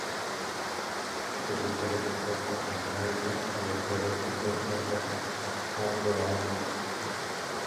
Zu guter Letzt taucht auch noch Marys Ex-Verlobter, der Football-Star Brett Favre, auf.